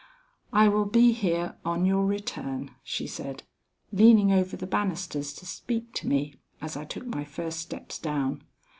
"I will be here on your return," she said, leaning over the banisters to speak to me as I took my first steps down.